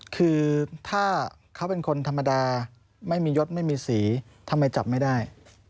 คือถ้าเขาเป็นคนธรรมดาไม่มียศไม่มีสีทำไมจับไม่ได้